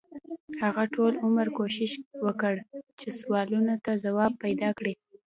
هغه ټول عمر کوښښ وکړ چې سوالونو ته ځواب پیدا کړي.